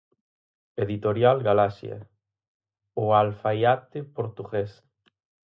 Editorial Galaxia, "O Alfaiate Portugués".